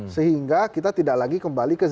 sehingga kita tidak lagi kembali ke